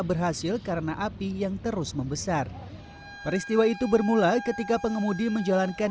berhasil karena api yang terus membesar peristiwa itu bermula ketika pengemudi menjalankan